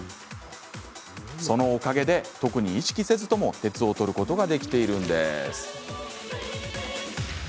そのおかげで特に意識せずとも鉄をとることができているんです。